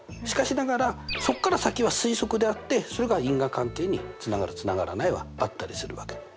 しかしながらそこから先は推測であってそれが因果関係につながるつながらないはあったりするわけ。